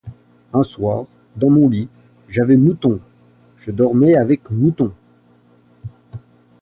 Un soir, dans mon lit, j’avais Mouton, je dormais avec Mouton…